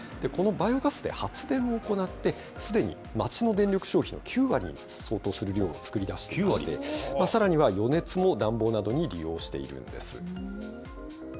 このバイオガスで発電を行って、すでに、町の電力消費の９割に相当する量を作り出していまして、さらには、余熱も暖房などに利用しているんです。